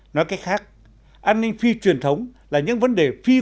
nói cách khác an ninh phi truyền thống là những vấn đề phi quân sự